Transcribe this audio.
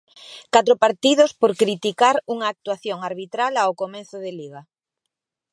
Catro partidos por criticar unha actuación arbitral ao comezo de Liga.